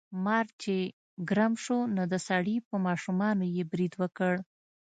مار چې ګرم شو نو د سړي په ماشومانو یې برید وکړ.